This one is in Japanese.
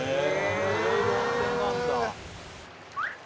え